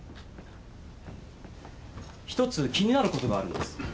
ひとつ気になることがあるんです。